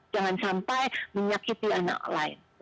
jangan sampai menyakiti anak lain